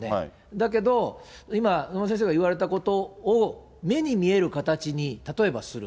だけど、今、野村先生が言われたことを、目に見える形に例えばする。